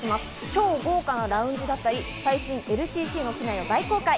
超豪華なラウンジだったり、最新ＬＣＣの機内を大公開。